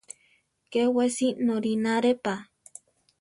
Ké wesi norínare pa.